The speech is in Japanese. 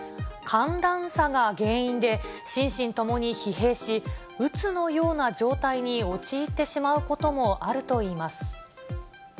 寒暖差が原因で、心身ともに疲弊し、うつのような状態に陥ってしまうこともあるといいます。